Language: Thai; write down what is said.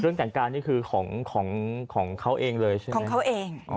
เรื่องแต่งการนี่คือของของของเขาเองเลยใช่ไหมของเขาเองอ๋อ